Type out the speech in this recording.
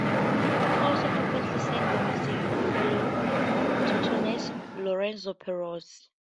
He also frequently sang the music of fellow Tortonese Lorenzo Perosi.